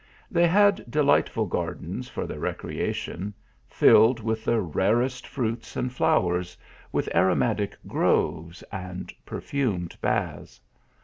They had delightful gardens for their recreation, rilled with the rarest fruits and flowers, with aromat ic grov is and perfumed baths.